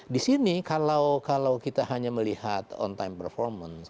di sini kalau kita hanya melihat on time performance